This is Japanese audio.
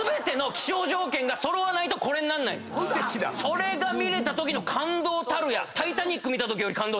それが見れたときの感動たるや。